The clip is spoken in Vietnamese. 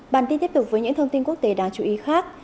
bản tin tiếp tục với những thông tin quốc tế đáng chú ý khác